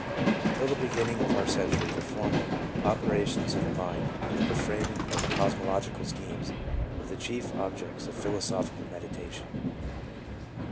Until the beginning of our century the formal operations of the mind and the framing of cosmological schemes were the chief objects of philosophical meditation.